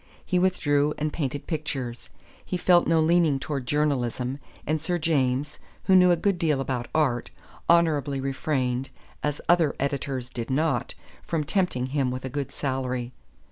He withdrew and painted pictures. He felt no leaning towards journalism, and Sir James, who knew a good deal about art, honorably refrained as other editors did not from tempting him with a good salary.